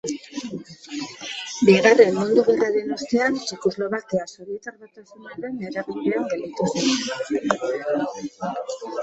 Bigarren Mundu Gerraren ostean, Txekoslovakia Sobietar Batasunaren eraginpean gelditu zen.